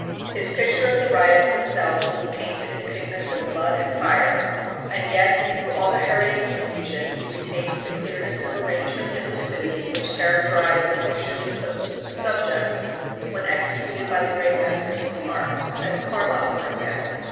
His picture of the riots themselves seems painted in pigments of blood and fire; and yet, through all the hurry and confusion, he retains the clearness of arrangement and lucidity which characterize the pictures of such subjects when executed by the great masters of the art as Carlyle, for example.